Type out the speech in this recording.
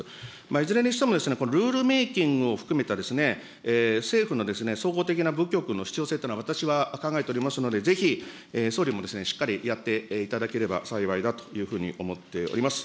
いずれにしても、ルールメーキングを含めた、政府の総合的な部局の必要性というのは、私は考えておりますので、ぜひ総理もしっかりやっていただければ幸いだというふうに思っております。